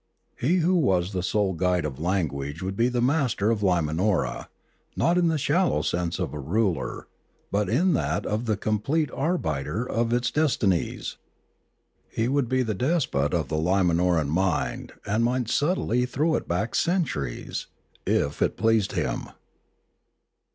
He who was the sole guide of language would be the master of Limanora, not in the shallow sense of a ruler, but in that of the complete arbiter of its destinies. He would be the despot of the Limanoran mind and might subtly throw it back centuries, if it pleased him.